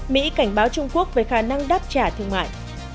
mỹ cảnh báo trung quốc về khả năng đáp trả thương mại